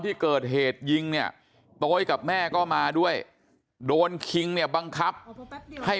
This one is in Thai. ที่เกิดเหตุยิงเนี่ยโต๊ยกับแม่ก็มาด้วยโดนคิงเนี่ยบังคับให้